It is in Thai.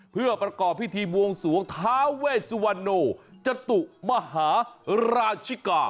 เพื่อประกอบพิธีบวงสวงท้าเวสวรรณโนจตุมหาราชิกา